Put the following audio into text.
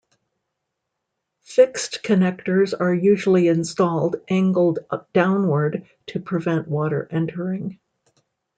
Fixed connectors are usually installed angled downward to prevent water entering.